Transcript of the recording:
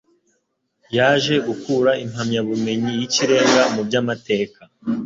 yaje gukura impamyabumenyi y'ikirenga mu by'amateka